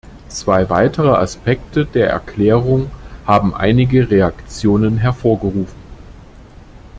Zwei weitere Aspekte der Erklärung haben einige Reaktionen hervorgerufen.